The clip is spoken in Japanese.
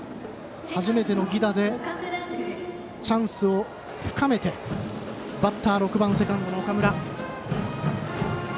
初めての犠打でチャンスを深めてバッター、６番セカンドの岡村。